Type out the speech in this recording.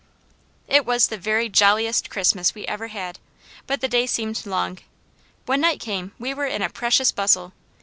It was the very jolliest Christmas we ever had, but the day seemed long. When night came we were in a precious bustle.